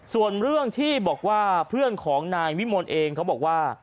ส่วนเรื่องที่บอกว่าเพื่อนของนายวิมลเองเขาบอกว่า